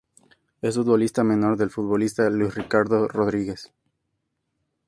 Es hermano menor del futbolista Luis Ricardo Rodríguez.